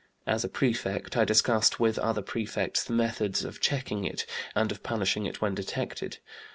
As a prefect, I discussed with other prefects the methods of checking it, and of punishing it when detected.